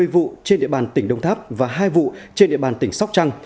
hai mươi vụ trên địa bàn tỉnh đồng tháp và hai vụ trên địa bàn tỉnh sóc trăng